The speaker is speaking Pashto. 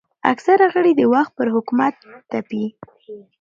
اکثره غړي د وخت پر حکومت تپي